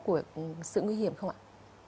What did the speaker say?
của sự nguy hiểm không ạ